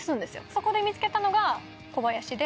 そこで見つけたのが小林で。